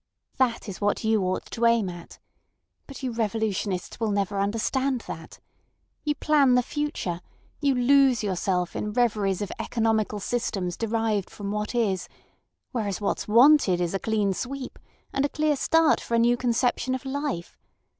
That is what you ought to aim at. But you revolutionists will never understand that. You plan the future, you lose yourselves in reveries of economical systems derived from what is; whereas what's wanted is a clean sweep and a clear start for a new conception of life.